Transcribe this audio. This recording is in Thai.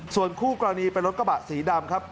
ส่วนคู่กรณีเป็นรถกระบะสีดำครับ